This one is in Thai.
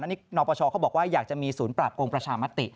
อันนี้นปชเขาบอกว่าอยากจะมีศูนย์ปราบโกงประชามติ